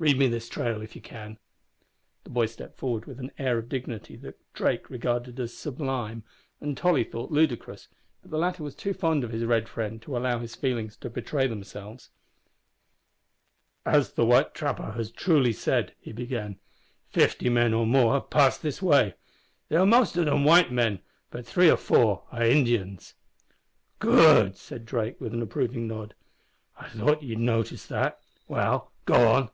Read me this trail if ye can." The boy stepped forward with an air of dignity that Drake regarded as sublime and Tolly thought ludicrous, but the latter was too fond of his red friend to allow his feelings to betray themselves. "As the white trapper has truly said," he began, "fifty men or more have passed this way. They are most of them white men, but three or four are Indians." "Good!" said Drake, with an approving nod; "I thought ye'd notice that. Well, go on."